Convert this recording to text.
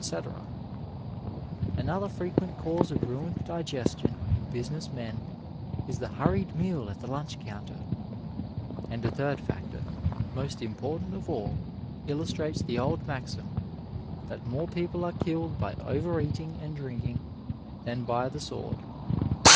Another 269 Digitized by VjOOQIC MEDICINE IN THE NINETEENTH CENTURY frequent cause of ruined digestion in business men is the huiried meal at the lunch counter. And a third factor, most important of all, illustrates the old maxim, that more people are killed by over eating and drinking than by the sword.